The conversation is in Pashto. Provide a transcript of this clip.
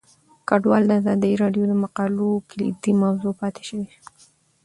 کډوال د ازادي راډیو د مقالو کلیدي موضوع پاتې شوی.